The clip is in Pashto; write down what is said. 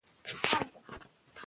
هغه ښوونځی چې نظم لري، بریالی دی.